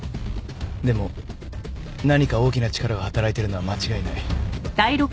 でも何か大きな力が働いてるのは間違いない。